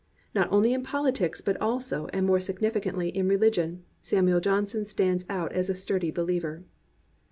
Not only in politics, but also and more significantly in religion, Samuel Johnson stands out as a sturdy behever.